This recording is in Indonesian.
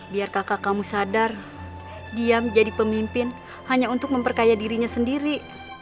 biar kakak kamu sadar dia menjadi pemimpin hanya untuk memperkaya dirinya sendiri